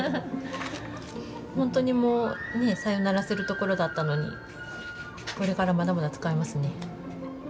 ほんとにもうねさよならするところだったのにこれからまだまだ使えますね。